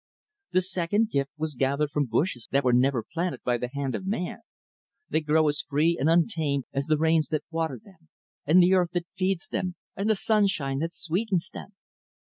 "The second gift was gathered from bushes that were never planted by the hand of man. They grow as free and untamed as the rains that water them, and the earth that feeds them, and the sunshine that sweetens hem.